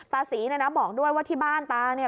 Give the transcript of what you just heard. ตาศรีเนี่ยนะบอกด้วยว่าที่บ้านตาเนี่ย